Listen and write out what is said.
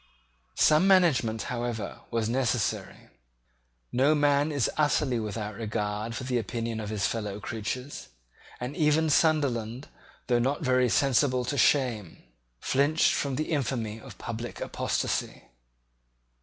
Some management, however, was necessary. No man is utterly without regard for the opinion of his fellow creatures; and even Sunderland, though not very sensible to shame, flinched from the infamy of public apostasy.